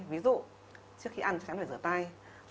ví dụ trước khi ăn chẳng phải rửa tay